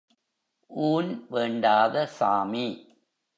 ஊன் வேண்டாத சாமி!